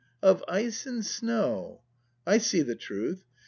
Of ice and snow! I see the truth!